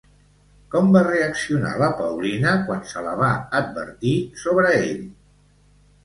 Com va reaccionar la Paulina quan se la va advertir sobre ell?